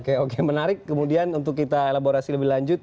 oke oke menarik kemudian untuk kita elaborasi lebih lanjut